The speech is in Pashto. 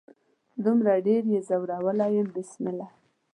دومره ډیر يې ځورولي يم بسمله